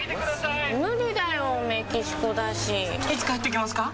いつ帰ってきますか？